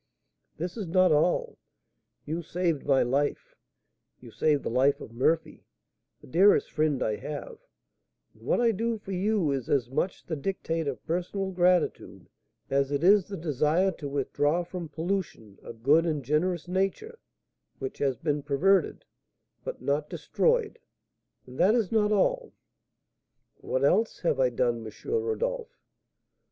This is not all; you saved my life, you saved the life of Murphy, the dearest friend I have; and what I do for you is as much the dictate of personal gratitude as it is the desire to withdraw from pollution a good and generous nature, which has been perverted, but not destroyed. And that is not all." "What else have I done, M. Rodolph?"